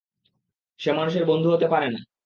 সে মানুষের বন্ধু হতে পারে না।